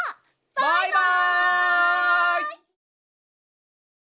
バイバイ！